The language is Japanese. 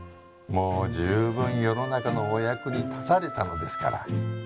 もう十分世の中のお役に立たれたのですから。